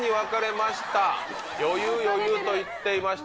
「余裕余裕」と言っていました